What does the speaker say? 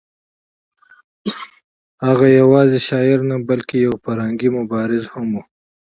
هغه یوازې شاعر نه بلکې یو فرهنګي مبارز هم و.